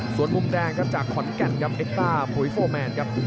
สวนมุมแดงครับจากคอนแกนครับเอ็กต้าภูวิฟอลแมนครับ